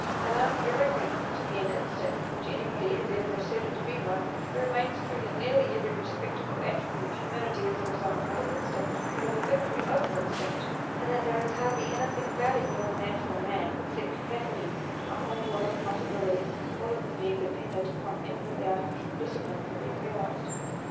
Allowing everything to be an instinct which anybody has ever asserted to be one, it remains true that nearly every respectable attribute of humanity is the result not of instinct, but of a victory over instinct; and that there is hardly anything valuable in the natural man except capacities a whole world of possibilities, all of them dependent upon eminently artificial discipline for being realized.